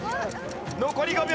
残り５秒。